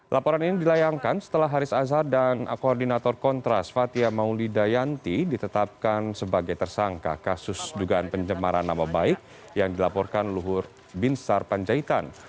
laporan ini dilayangkan setelah haris azhar dan koordinator kontras fathia maulidayanti ditetapkan sebagai tersangka kasus dugaan pencemaran nama baik yang dilaporkan luhur binsar panjaitan